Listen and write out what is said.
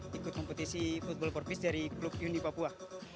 dan membuat kompetisi football for peace dari klub uni papua